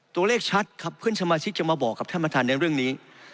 ตัวเลขชัดครับเพื่อนสมาชิกจะมาบอกกับท่านประธานในเรื่องนี้